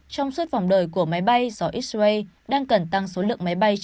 trong suốt vòng đời của máy bay do israel đang cần tăng số lượng máy bay trên